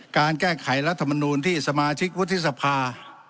การแก้ไขรัฐมนูลที่สมาชิกวุฒิสภา